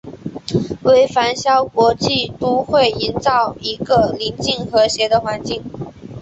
为繁嚣国际都会营造一个宁静和谐环境。